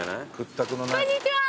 こんにちは。